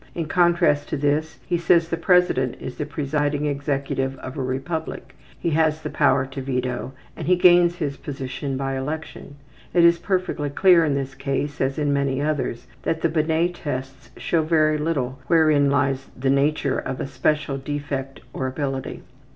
In contrast to this he says the president is the presiding executive of a republic, he has the power to veto, and he gains his position by election. It is perfectly clear in this case, as in many others, that the Binet tests show very little wherein lies the nature of a special defect or ability.